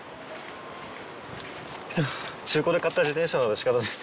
中古で買った自転車なので仕方ないっす。